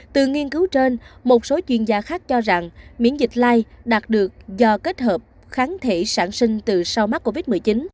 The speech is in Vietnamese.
từ nghiên cứu trên một số chuyên gia khác cho rằng miễn dịch lai đạt được do kết hợp kháng thể sản sinh từ sau mắc covid một mươi chín